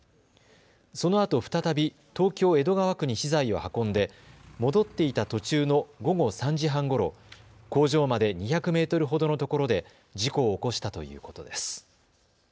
そのあと再び東京江戸川区に資材を運んで戻っていた途中の午後３時半ごろ、工場まで２００メートルほどのところで事故を起こしたということです。